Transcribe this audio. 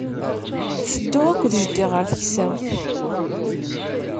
Tedduɣ akked jeddi ɣer taksawt.